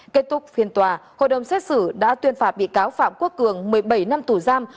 kết thúc phiên tòa hội đồng xét xử đã tuyên phạt bị cáo phạm quốc cường một mươi bảy năm tù giam